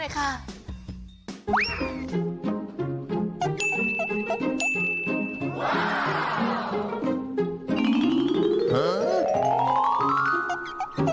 แต่ไม่ใช่คู่แข่งเรื่องของโชคลาภแต่อย่างใด